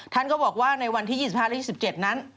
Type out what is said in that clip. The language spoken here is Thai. ท่านก็บอกว่าในวันที่๒๕และ๒๗นั้น